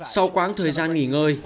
sau quãng thời gian nghỉ ngơi